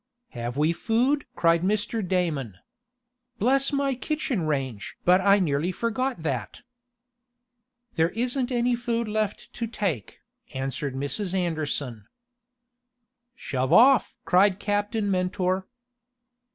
"Have we food?" cried Mr. Damon. "Bless my kitchen range! but I nearly forgot that." "There isn't any food left to take," answered Mrs. Anderson. "Shove off!" cried Captain Mentor.